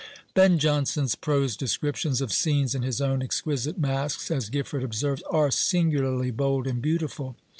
Ben Jonson's prose descriptions of scenes in his own exquisite Masques, as Gifford observes, "are singularly bold and beautiful."